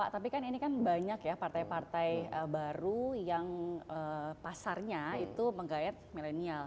tapi kan ini kan banyak ya partai partai baru yang pasarnya itu menggayat milenial